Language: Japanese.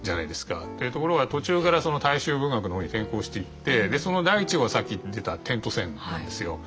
ところが途中から大衆文学の方に転向していってその第１号がさっき言ってた「点と線」なんですよ。